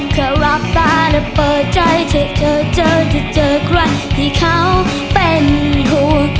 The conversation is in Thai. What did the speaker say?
เธอรับตาและเปิดใจเธอเจอที่เจอใครที่เขาเป็นห่วง